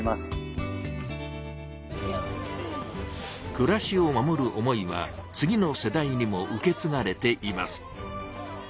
くらしを守る思いは次の世代にも受けつがれています。